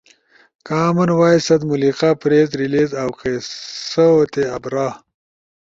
کامن وائس ست ملحقہ پریس ریلیس اؤ قصؤ تے آبرا